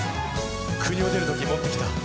「故郷を出る時持って来た」